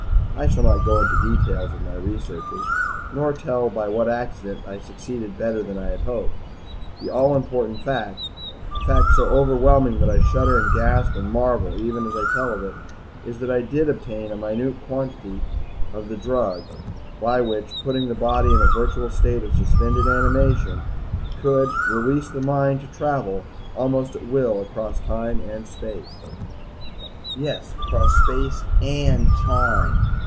I shall not go into the details of my researches, nor tell by what accident I succeeded better than I had hoped; the all important fact a fact so overwhelming that I shudder and gasp and marvel even as I tell of it is that I did obtain a minute quantity of a drug which, by putting the body virtually in a state of suspended animation, could release the mind to travel almost at will across time and space. Yes, across time and space!